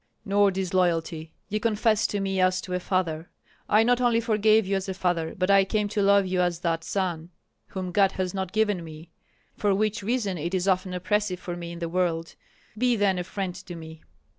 "Nor disloyalty. You confessed to me as to a father; I not only forgave you as a father, but I came to love you as that son whom God has not given me, for which reason it is often oppressive for me in the world. Be then a friend to me."